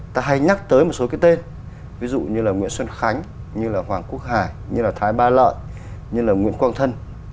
ta hay nhắc tới một số cái tên ví dụ như là nguyễn xuân khánh như là hoàng quốc hải như là thái ba lợi như là nguyễn quang thân